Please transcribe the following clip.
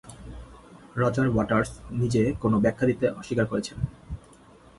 Roger Waters নিজে কোন ব্যাখ্যা দিতে অস্বীকার করেছেন।